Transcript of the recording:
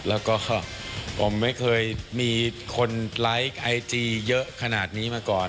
แล้วก็ผมไม่เคยมีคนไลค์ไอจีเยอะขนาดนี้มาก่อน